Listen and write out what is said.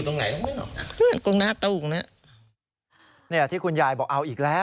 เนี่ยที่คุณยายบอกเอาอีกแล้ว